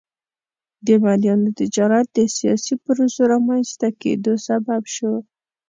د مریانو تجارت د سیاسي پروسو د رامنځته کېدو سبب شو.